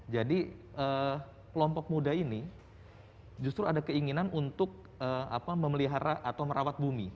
jadi kelompok muda ini justru ada keinginan untuk memelihara atau merawat bumi